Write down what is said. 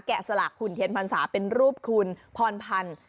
สลากหุ่นเทียนพรรษาเป็นรูปคุณพรพันธ์